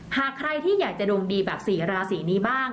หากใครที่อยากจะดวงดีแบบ๔ราศีนี้บ้าง